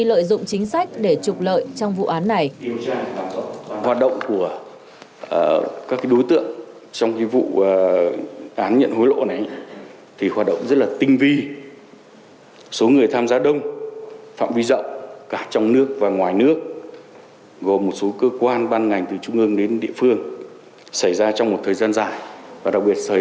lợi dụng chính sách để trục lợi trong vụ án này